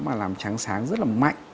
mà làm trắng sáng rất là mạnh